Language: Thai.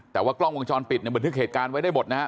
แต่ว่ากล้องวงจรปิดมันถึงเหตุการณ์ไว้ได้หมดนะครับ